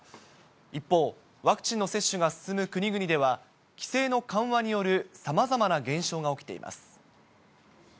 一方、ワクチンの接種が進む国々では、規制の緩和によるさまざまな現象が起きています。